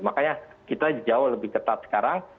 makanya kita jauh lebih ketat sekarang